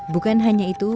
bukan hanya itu